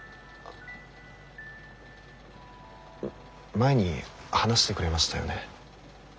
前に話してくれましたよね